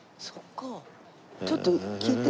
ちょっと聞いて。